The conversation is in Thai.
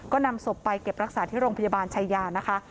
ก็นำศพไปเก็บรักษาที่โรงพยาบาลชายานะคะ